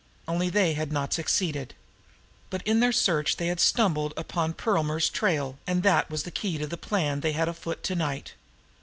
Only they had not succeeded. But in their search they had stumbled upon Perlmer's trail, and that was the key to the plan they had afoot to night.